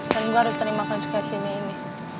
dan gue harus terima konsekuensinya ini